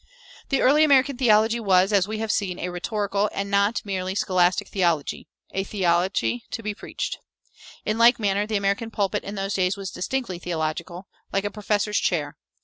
The early American theology was, as we have seen, a rhetorical and not a merely scholastic theology a theology to be preached.[384:1] In like manner, the American pulpit in those days was distinctly theological, like a professor's chair.